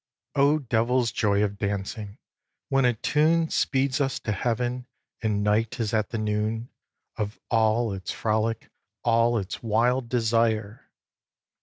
vii. O devil's joy of dancing, when a tune Speeds us to Heaven, and night is at the noon Of all its frolic, all its wild desire!